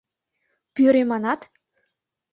Пӱрӧ, манат?